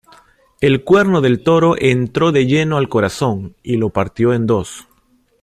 El cuerno del toro entró de lleno al corazón, y lo partió en dos.